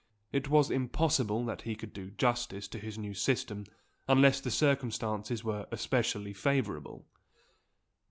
It was impossible that he could do justice to his new system, unless the circumstances were especially favourable.